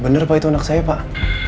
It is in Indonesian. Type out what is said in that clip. benar pak itu anak saya pak